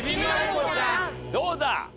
どうだ？